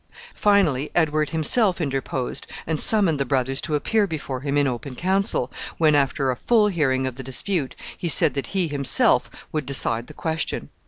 Finally Edward himself interposed, and summoned the brothers to appear before him in open council, when, after a full hearing of the dispute, he said that he himself would decide the question.